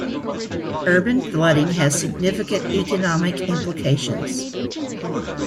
Urban flooding has significant economic implications.